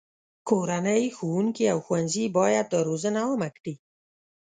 کورنۍ، ښوونکي، او ښوونځي باید دا روزنه عامه کړي.